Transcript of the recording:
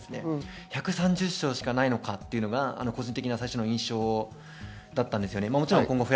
１３０床しかないのかというのが個人的には最初の印象だったんです。